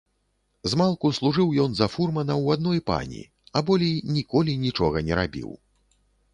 Змалку служыў ён за фурмана ў адной пані, а болей ніколі нічога не рабіў.